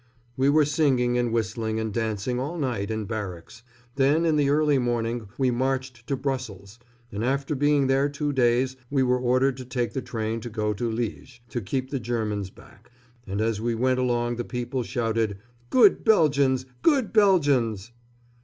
We were singing and whistling and dancing all night in barracks; then in the early morning we marched to Brussels, and after being there two days we were ordered to take the train to go to Liège, to keep the Germans back, and as we went along the people shouted, "Good Belgians! Good Belgians!"